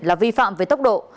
là vi phạm về tốc độ